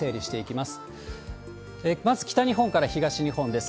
まず北日本から東日本です。